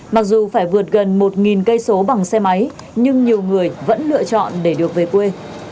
mặc dù phải vượt gần một cây số bằng xe máy nhưng nhiều người vẫn lựa chọn để được về quê